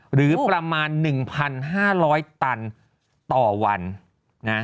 หรือประมาณ๑๕๐๐ตันต่อวันนะ